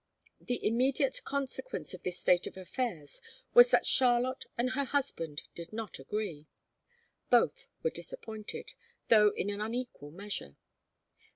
The immediate consequence of this state of affairs was that Charlotte and her husband did not agree. Both were disappointed, though in an unequal measure.